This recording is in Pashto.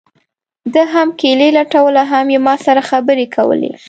ده هم کیلي لټوله هم یې ما سره خبرې کولې.